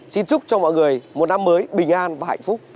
xin chúc cho mọi người một năm mới bình an và hạnh phúc